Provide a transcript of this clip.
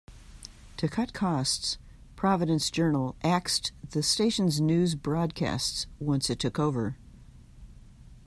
To cut costs, Providence Journal axed the station's news broadcasts once it took over.